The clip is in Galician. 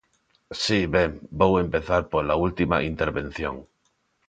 Si, ben, vou empezar pola última intervención.